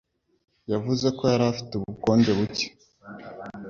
Yavuze ko yari afite ubukonje buke